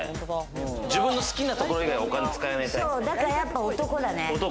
自分の好きなところ以外お金使わないタイプ。